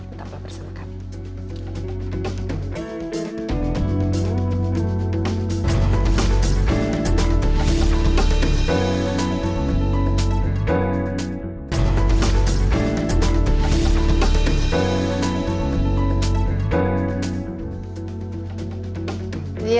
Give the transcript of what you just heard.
bertemu bersama kami